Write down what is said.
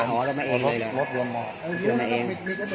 โหแล้วแม่เอ็งเลยเนี่ยแล้วแม่เอ็ง